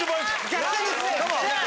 逆転です！